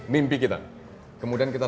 mimpi kita kemudian kita